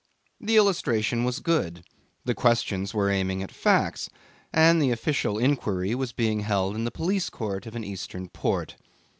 The illustration was good: the questions were aiming at facts, and the official Inquiry was being held in the police court of an Eastern port.